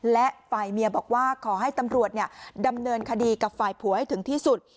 และฝ่ายเมียบอกว่าขอให้ตำรวจดำเนินคดีกับฝ่ายผัวให้ถึงที่สุด